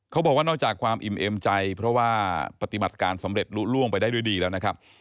นอกจากความอิ่มเอ็มใจเพราะว่าปฏิบัติการสำเร็จลุล่วงไปได้ด้วยดีแล้วนะครับ